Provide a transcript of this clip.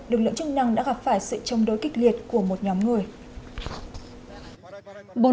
lực lượng chức năng đã gặp phải sự chống đối kích liệt của một nhóm người